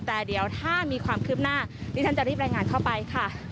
แต่เดี๋ยวถ้ามีความคืบหน้าดิฉันจะรีบรายงานเข้าไปค่ะ